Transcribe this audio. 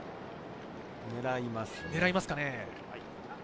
狙いますね。